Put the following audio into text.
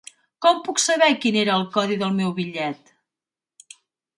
Com puc saber quin era el codi del meu bitllet?